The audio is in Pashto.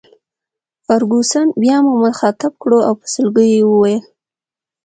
فرګوسن بیا موږ مخاطب کړو او په سلګیو یې وویل.